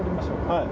はい。